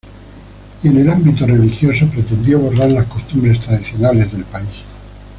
Y en el ámbito religioso, pretendió borrar las costumbres tradicionales del país.